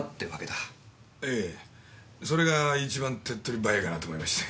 ええそれが一番てっとり早いかなと思いまして。